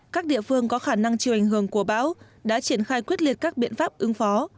các địa phương có khả năng chịu ảnh hưởng của bão đã triển khai quyết liệt các biện pháp ứng phó